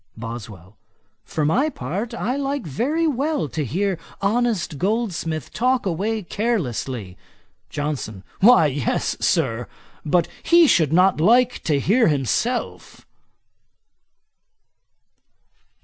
BOSWELL. 'For my part, I like very well to hear honest Goldsmith talk away carelessly.' JOHNSON. 'Why yes, Sir; but he should not like to hear himself.'